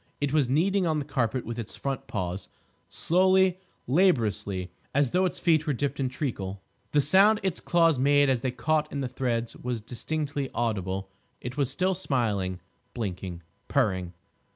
It was kneading on the carpet with its front paws—slowly, laboriously, as though its feet were dipped in treacle. The sound its claws made as they caught in the threads was distinctly audible. It was still smiling, blinking, purring.